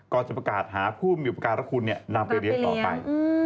ก่อนจะประกาศหาผู้มีอุปกรณ์รักคุณนำไปเรียนต่อไป